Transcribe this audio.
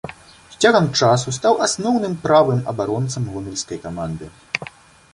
З цягам часу стаў асноўным правым абаронцам гомельскай каманды.